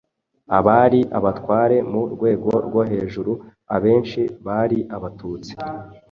abari abatware mu rwego rwo hejuru abenshi bari Abatutsi